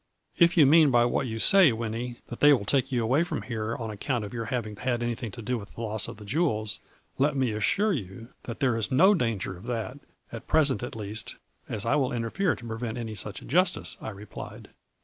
" 4 If you mean by what you say, Winnie, that they will take you away from here on ac count of your having had anything to do with the loss of the jewels, let me assure you that there is no danger of that, at present at least, as I will interfere to prevent any such injustice., I replied.